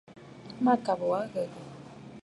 Mâkàbə̀ wa a ghə̀gə̀.